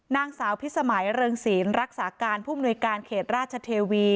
นางสาวพิสมัยเริงศีลรักษาการผู้มนุยการเขตราชเทวี